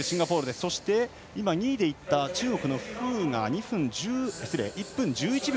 そして今、２位でいった中国の馮が１分１１秒。